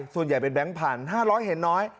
ส่วนใหญ่เป็นแบงค์พัน๕๐๐เห็นน้อย